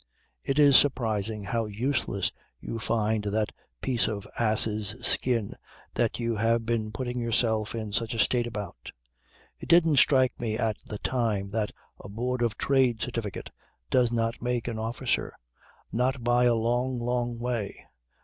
It is surprising how useless you find that piece of ass's skin that you have been putting yourself in such a state about. It didn't strike me at the time that a Board of Trade certificate does not make an officer, not by a long long way.